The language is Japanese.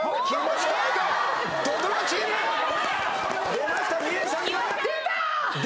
出ましたミエさんが。